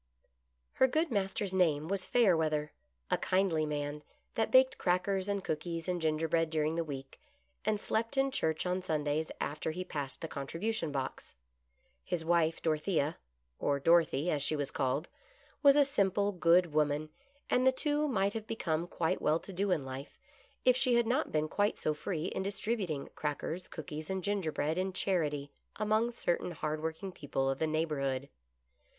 Her good master's name was Fayerweather ; a kindly man that baked crackers and cookies and gingerbread during the week, and slept in church on Sundays after he passed the contribution box. His wife Dorothea, or " Dorothy " as she was called, was a simple, good woman, and the two might have become quite well to do in life, if she had not been quite so free in distrib uting crackers, cookies and gingerbread in charity among certain hard working people of the neighbor hood.